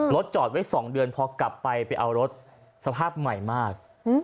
รถจอดไว้๒เดือนพอกลับไปไปเอารถสภาพใหม่มาก